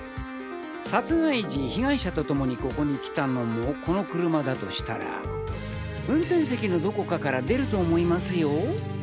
殺害時被害者とともにここに来たのもこの車だとしたら運転席のどこかから出ると思いますよ？